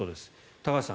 高橋さん